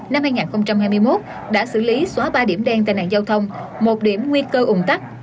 năm hai nghìn hai mươi một đã xử lý xóa ba điểm đen tai nạn giao thông một điểm nguy cơ ủng tắc